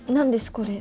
これ。